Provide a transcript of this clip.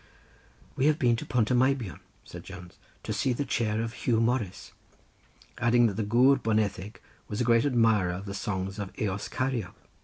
"We have been to Pont y Meibion," said Jones, "to see the chair of Huw Morris," adding that the Gwr Boneddig was a great admirer of the songs of the Eos Ceiriog.